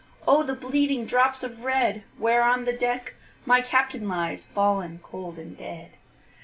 O the bleeding drops of red, Where on the deck my Captain lies, Fallen cold and dead.